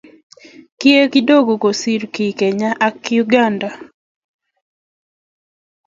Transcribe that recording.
kiek kidogo kosir kei kenya ka uganda